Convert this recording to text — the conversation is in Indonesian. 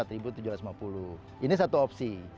rp empat tujuh ratus lima puluh ini satu opsi